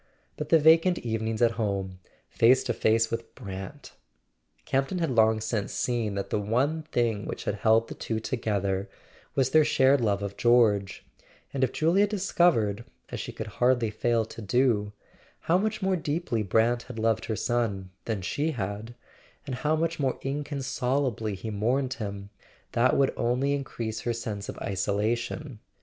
But the vacant evenings, at home, face to face with Brant! Campton had long since seen that the one thing which had held the two together was their shared love of George; and if Julia discovered, as she could hardly fail to do, how much more deeply Brant had loved her son than she had, and how much more inconsolably he mourned him, that would only increase her sense of isolation.